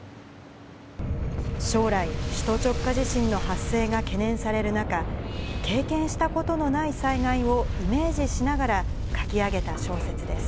将来、首都直下地震の発生が懸念される中、経験したことのない災害をイメージしながら書き上げた小説です。